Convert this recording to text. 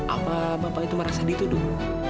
apa bapak itu merasa dituduh